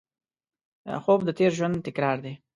خوب د تېر ژوند تکرار دی